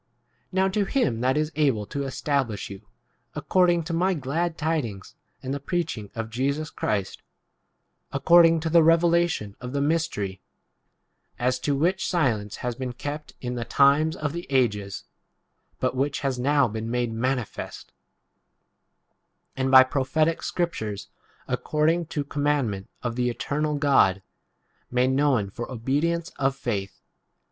* 25 n ow to him that is able to es tablish you, according to my glad tidings and the preaching of Jesus Christ, according to [the] revela tion of [the] mystery, u as to which silence has been kept in [the] times 26 of the ages, but [which] has now been made manifest, and by pro phetic scriptures, according to commandment of the eternal God, made known for obedience of faith 2